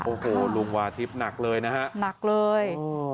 โอ้โหลุงวาทิพย์หนักเลยนะฮะหนักเลย